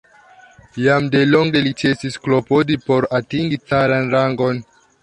Jam delonge li ĉesis klopodi por atingi caran rangon.